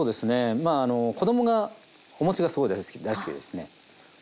まああの子どもがお餅がすごい大好きでですねで